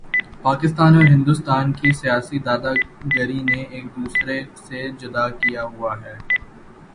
پاکستان اور ہندوستان کی سیاسی دادا گری نے ایک دوسرے سے جدا کیا ہوا ہے